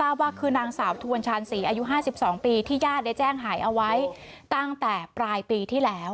ทราบว่าคือนางสาวทวนชาญศรีอายุ๕๒ปีที่ญาติได้แจ้งหายเอาไว้ตั้งแต่ปลายปีที่แล้ว